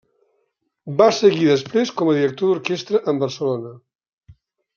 Va seguir després com a director d'orquestra en Barcelona.